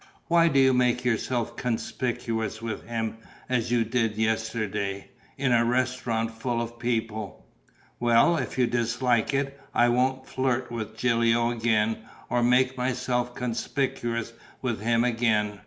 Why do you make yourself conspicuous with him, as you did yesterday, in a restaurant full of people?" "Well, if you dislike it, I won't flirt with Gilio again or make myself conspicuous with him again.